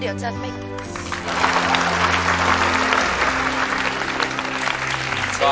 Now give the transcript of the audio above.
เดี๋ยวจะไปกัน